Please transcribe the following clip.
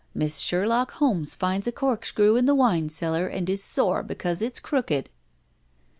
Miss Sherlock Holmes finds a corkscrew in the wine cellar and is sore because it's crooked!"